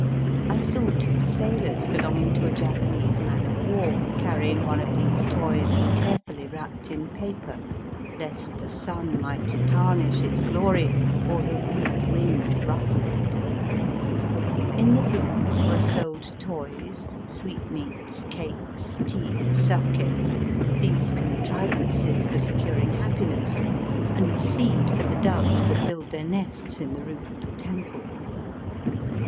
I saw two sailors belonging to a Japanese man of war carrying one of these toys carefully wrapped in paper lest the sun might tarnish its glory, or the rude wind ruffle it. In the booths were sold toys, sweetmeats, cakes, tea, sake, these contrivances for securing happiness, and seed for the doves that build their nests in the roof of the temple.